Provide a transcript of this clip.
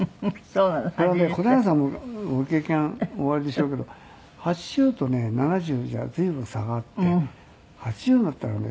黒柳さんもご経験おありでしょうけど８０とね７０じゃ随分差があって８０になったらね